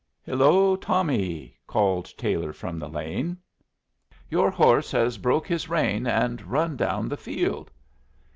"Hello, Tommy!" called Taylor from the lane. "Your horse has broke his rein and run down the field."